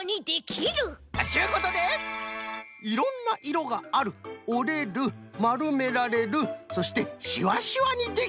ちゅうことで「いろんないろがある」「おれる」「まるめられる」そして「しわしわにできる」。